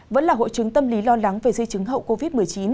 vẫn là hội chứng tâm lý lo lắng về di chứng hậu covid một mươi chín